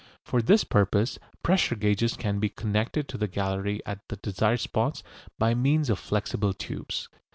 For this purpose pressure gauges can be connected to the gallery at the desired spots by means of flexible tubes.